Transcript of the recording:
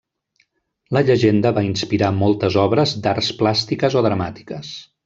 La llegenda va inspirar moltes obres d'arts plàstiques o dramàtiques.